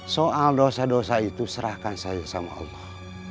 soal dosa dosa itu serahkan saya sama allah